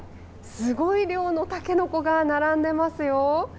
すごい量のたけのこが並んでいますよ。